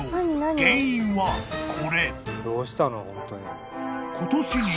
原因はこれ］